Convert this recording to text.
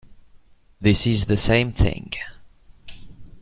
This is the same thing.